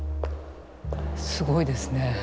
すごいですね。